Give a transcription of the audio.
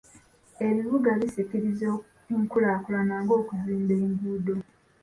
Ebibuga bisikiriza enkulaakulana ng'okuzimba enguudo.